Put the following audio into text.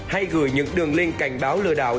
hay gửi những đường link cảnh báo lừa đảo